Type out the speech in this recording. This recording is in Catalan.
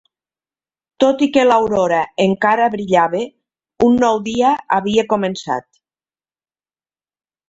Tot i que l'aurora encara brillava, un nou dia havia començat.